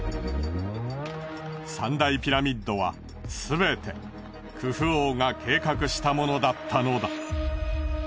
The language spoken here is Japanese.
三大ピラミッドはすべてクフ王が計画したものだったのだ。